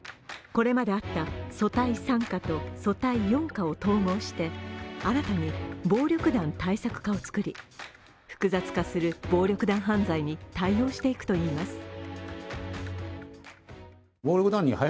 これまであった組対三課と組対四課を統合して新たに暴力団対策課を作り複雑化する暴力団犯罪に対応していくといいます。